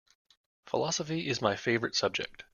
Philosophy is my favorite subject.